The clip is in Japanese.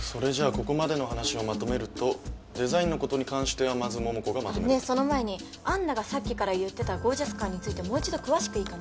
ここまでの話をまとめるとデザインのことに関してはまず桃子がまとめるとねぇその前にアンナがさっきから言ってたゴージャス感についてもう一度詳しくいいかな？